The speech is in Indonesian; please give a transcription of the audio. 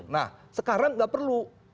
nah sekarang gak perlu